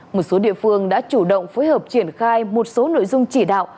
một số địa phương đã chủ động phối hợp triển khai một số nội dung chỉ đạo